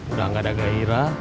udah gak ada gairah